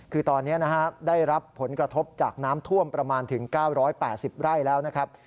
คือตอนนี้ได้รับผลกระทบจากน้ำท่วมประมาณถึง๙๘๐ไร่แล้วนะครับ